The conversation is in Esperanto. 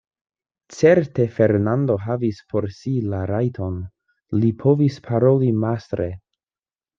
Certe Fernando havis por si la rajton: li povis paroli mastre.